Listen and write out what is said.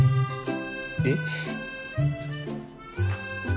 えっ？